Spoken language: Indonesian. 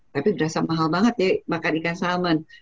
tapi berasa mahal banget ya makan ikan salmon